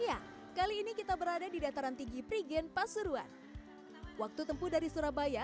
ya kali ini kita berada di dataran tinggi prigen pasuruan waktu tempuh dari surabaya